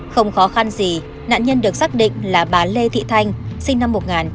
không khó khăn gì nạn nhân được xác định là bà lê thị thanh sinh năm một nghìn chín trăm tám mươi